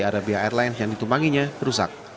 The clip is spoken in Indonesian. arabia airlines yang ditumbanginya rusak